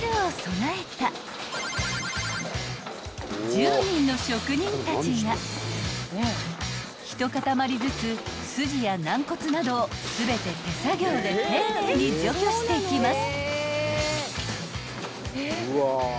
［１０人の職人たちが一塊ずつ筋や軟骨などを全て手作業で丁寧に除去していきます］